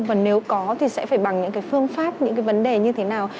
và nếu có thì sẽ phải bằng những phương pháp những vấn đề như thế nào